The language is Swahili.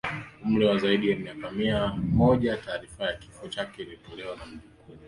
umri wa zaidi ya miaka mia moja Taarifa ya kifo chake ilitolewa na mjukuu